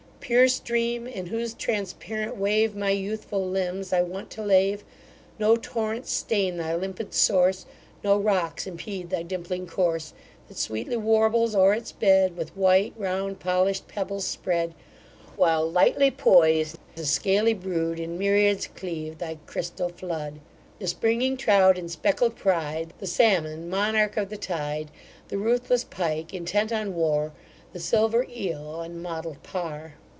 Pure stream! in whose transparent wave My youthful limbs I wont to lave; No torrents stain thy limpid source; No rocks impede thy dimpling course, That sweetly warbles o'er its bed, With white, round, polish'd pebbles spread; While, lightly pois'd, the scaly brood In myriads cleave thy crystal flood; The springing trout in speckled pride; The salmon, monarch of the tide; The ruthless pike, intent on war; The silver eel, and motled par.